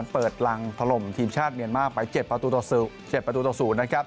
เปิดรังพรมทีมชาติเมียนม่าไป๗ประตูตะสุ